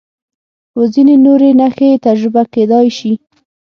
و ځینې نورې نښې تجربه کېدای شي.